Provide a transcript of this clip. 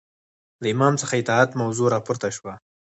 له امام څخه اطاعت موضوع راپورته شوه